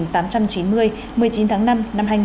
một mươi chín tháng năm năm hai nghìn